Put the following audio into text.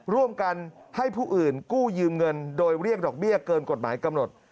ร่วมกันให้ผู้อื่นกู้ยืมเงินโดยเรียกดอกเบี้ยเกินกฎหมายกำหนด